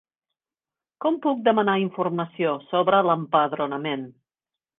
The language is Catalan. Com puc demanar informació sobre l'empadronament?